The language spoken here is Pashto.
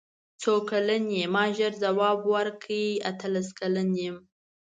څو کلن یې ما ژر ځواب ورکړ اتلس کلن یم.